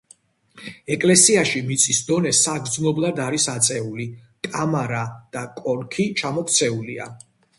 ეკლესიაში მიწის დონე საგრძნობლად არის აწეული, კამარა და კონქი ჩამოქცეულია.